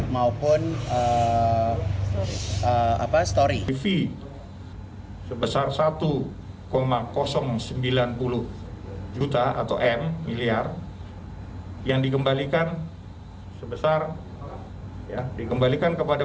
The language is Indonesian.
maupun apa story sebesar satu sembilan puluh juta atau miliar yang dikembalikan sebesar dikembalikan kepada